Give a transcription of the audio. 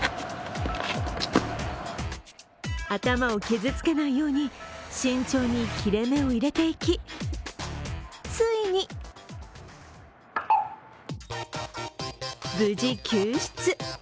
頭を傷つけないように慎重に切れ目を入れていき、ついに無事、救出。